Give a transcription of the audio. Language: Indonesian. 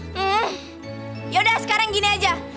hmm yaudah sekarang gini aja